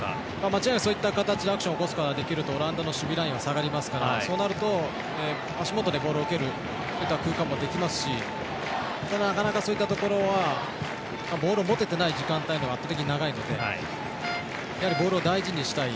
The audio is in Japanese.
間違いなくそういった形でアクションを起こすことができるとオランダの守備ラインは下がりますから、そうなると足元でボールを受ける空間もできますしなかなかそういったところはボールを持ててない時間帯のほうが圧倒的に長いので、やはりボールを大事にしたい。